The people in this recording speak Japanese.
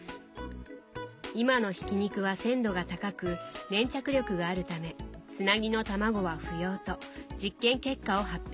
今の挽き肉は鮮度が高く粘着力があるためつなぎの卵は不要と実験結果を発表。